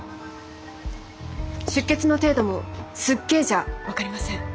出血の程度も「すっげえ」じゃ分かりません。